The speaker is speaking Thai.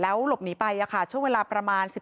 หลบหนีไปช่วงเวลาประมาณ